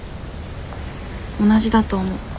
同じだと思う。